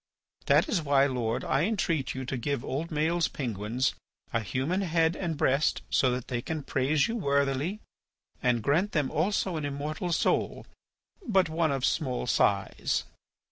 That is why, Lord, I entreat you to give old Maël's penguins a human head and breast so that they can praise you worthily. And grant them also an immortal soul—but one of small size."